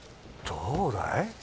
どうだい？